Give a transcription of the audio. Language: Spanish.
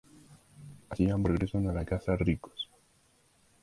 Así ambos regresan a casa ricos.